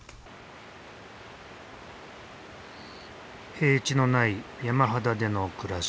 平地のない山肌での暮らし。